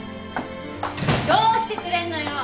どうしてくれんのよ！